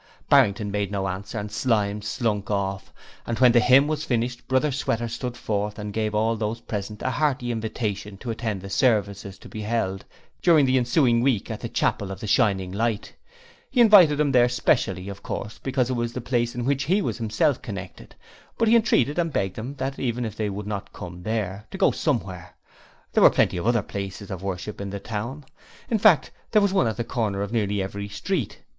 Barrington made no answer and Slyme slunk off, and when the hymn was finished Brother Sweater stood forth and gave all those present a hearty invitation to attend the services to be held during the ensuing week at the Chapel of the Shining Light. He invited them there specially, of course, because it was the place with which he was himself connected, but he entreated and begged of them even if they would not come there to go Somewhere; there were plenty of other places of worship in the town; in fact, there was one at the corner of nearly every street.